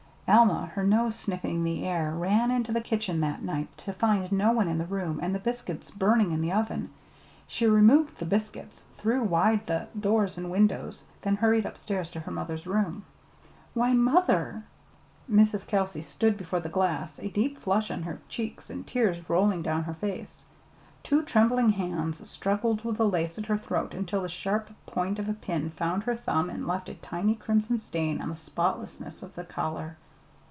Alma, her nose sniffing the air, ran into the kitchen that night to find no one in the room, and the biscuits burning in the oven. She removed the biscuits, threw wide the doors and windows, then hurried upstairs to her mother's room. "Why, mother!" Mrs. Kelsey stood before the glass, a deep flush on her cheeks and tears rolling down her face. Two trembling hands struggled with the lace at her throat until the sharp point of a pin found her thumb and left a tiny crimson stain on the spotlessness of the collar.